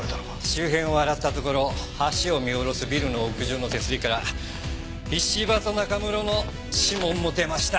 周辺を洗ったところ橋を見下ろすビルの屋上の手すりから石場と中室の指紋も出ました。